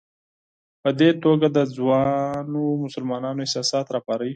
په دې توګه د ځوانو مسلمانانو احساسات راپاروي.